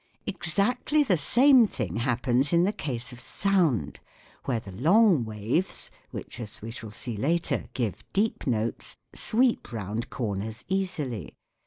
Exactly the same thing happens in the case of sound, where the long waves, which, as we shall see later, give deep notes, sweep round corners easily.